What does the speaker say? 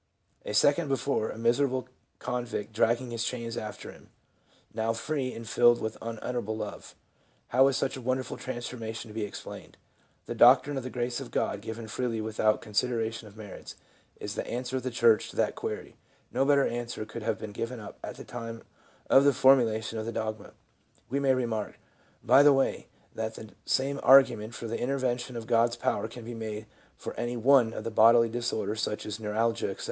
A second before, a miserable convict dragging his chains after him ; now free and filled with unutterable love ! How is such a wonderful transformation to be explained t The doctrine of the "Grace of God " given freely without consideration of merits, is the answer of the church to that query ; no better answer could have been given at the time of the formulation of the dogma. We may remark, by the way, that the same argument for the intervention of God's power can be made for any one of the bodily disorders, such as neuralgia, etc.